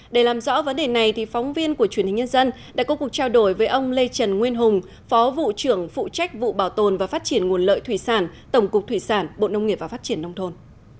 để làm rõ vấn đề này phóng viên của truyền hình nhân dân đã có cuộc trao đổi với ông lê trần nguyên hùng phó vụ trưởng phụ trách vụ bảo tồn và phát triển nguồn lợi thủy sản tổng cục thủy sản bộ nông nghiệp và phát triển nông thôn